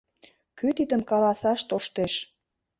Кӧ тидым каласаш тоштеш?